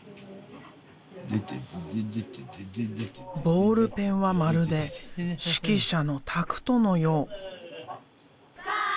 ボールペンはまるで指揮者のタクトのよう。